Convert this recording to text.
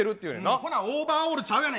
ほんならオーバーオールちゃうやん。